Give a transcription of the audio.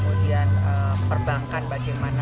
kemudian perbankan bagaimana